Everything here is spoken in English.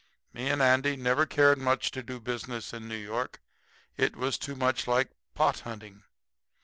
"Me and Andy never cared much to do business in New York. It was too much like pothunting.